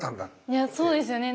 いやそうですよね。